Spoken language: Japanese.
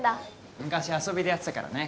昔遊びでやってたからね